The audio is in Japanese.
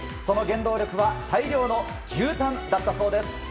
その原動力は大量の牛タンだったそうです。